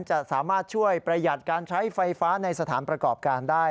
จะสามารถช่วยประหยัดการใช้ไฟฟ้าในสถานประกอบการได้